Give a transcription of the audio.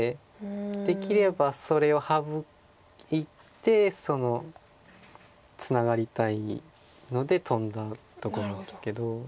できればそれを省いてツナがりたいのでトンだところですけど。